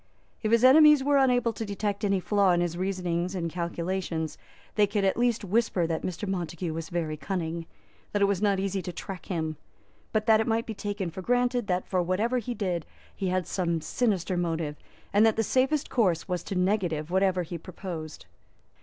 If his enemies were unable to detect any flaw in his reasonings and calculations, they could at least whisper that Mr. Montague was very cunning, that it was not easy to track him, but that it might be taken for granted that for whatever he did he had some sinister motive, and that the safest course was to negative whatever he proposed.